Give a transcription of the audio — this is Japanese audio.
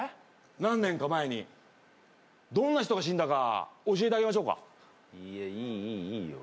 何年か前にどんな人が死んだか教えてあげましょうかいやいいいいいいよ